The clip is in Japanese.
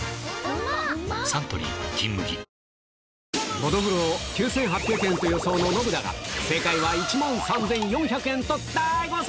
ノドグロを９８００円と予想のノブだが、正解は１万３４００円と大誤算。